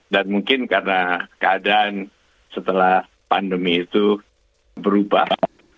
dan mungkin karena keadaan setelah pandemi itu berubah